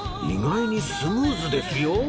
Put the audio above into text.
意外にスムーズですよ